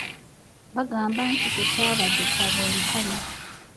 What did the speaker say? Bagamba nti tekyabadde kya bwenkanya.